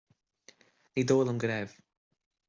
Ní dóigh liom go raibh